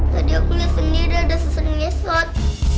tadi aku liat sendiri ada susar nyesot